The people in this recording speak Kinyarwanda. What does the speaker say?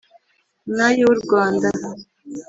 mwari w’u rwanda